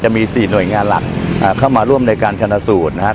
มี๔หน่วยงานหลักเข้ามาร่วมในการชนะสูตรนะครับ